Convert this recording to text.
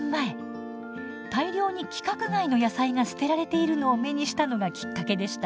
大量に規格外の野菜が捨てられているのを目にしたのがきっかけでした。